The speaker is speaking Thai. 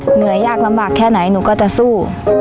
เหนื่อยยากลำบากแค่ไหนหนูก็จะสู้